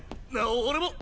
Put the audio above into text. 俺も？